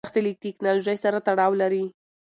دښتې له تکنالوژۍ سره تړاو لري.